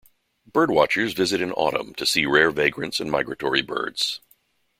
Birdwatchers visit in autumn to see rare vagrants and migratory birds.